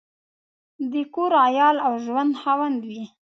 د کور، عیال او ژوند خاوند وي.